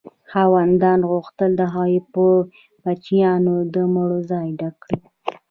خاوندانو غوښتل د هغو په بچیانو د مړو ځای ډک کړي.